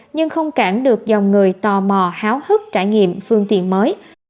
nhưng không cản được dòng người tò mò háo hức trải nghiệm phương tiện mới